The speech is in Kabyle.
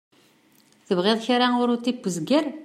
Tebɣiḍ kra n uṛuti n uzger?